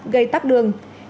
gây tắt đường